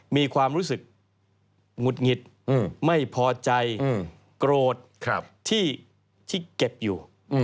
มีความรู้สึกหงุดหงิดไม่พอใจโกรธที่เก็บอยู่